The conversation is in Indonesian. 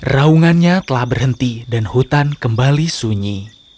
raungannya telah berhenti dan hutan kembali sunyi